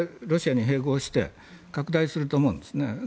ロシアに併合して拡大すると思うんですね。